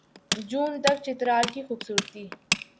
جون تک چترال کی خوبصورتی